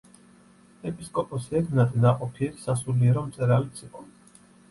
ეპისკოპოსი ეგნატე ნაყოფიერი სასულიერო მწერალიც იყო.